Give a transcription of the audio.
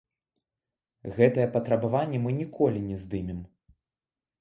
Гэтае патрабаванне мы ніколі не здымем.